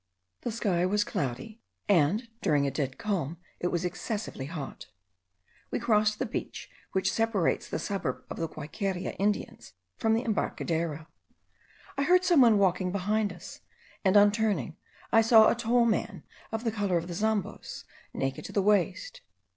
The sky was cloudy; and during a dead calm it was excessively hot. We crossed the beach which separates the suburb of the Guayqueria Indians from the embarcadero. I heard some one walking behind us, and on turning, I saw a tall man of the colour of the Zambos, naked to the waist.